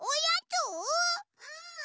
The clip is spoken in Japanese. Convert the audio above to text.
うん。